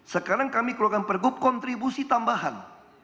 sekarang kami keluarkan pergub kontribusi tambahan